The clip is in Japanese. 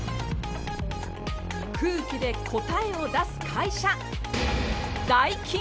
空気で答えを出す会社ダイキン。